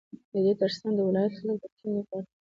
ددې ترڅنگ د ولايت خلك په ټينگه غواړي،